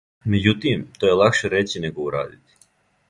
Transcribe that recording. Међутим, то је лакше рећи него урадити.